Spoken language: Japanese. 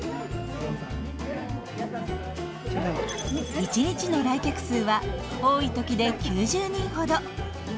一日の来客数は多い時で９０人ほど。